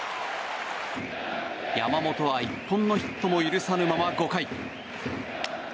山本は１本のヒットも許さぬまま５回。